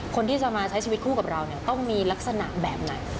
คนที่จะมาใช้ชีวิตคู่กับเราต้องมีลักษณะแบบไหน